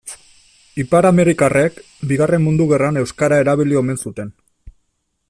Ipar-amerikarrek Bigarren Mundu Gerran euskara erabili omen zuten.